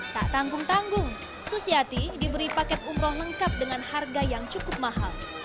tak tanggung tanggung susiati diberi paket umroh lengkap dengan harga yang cukup mahal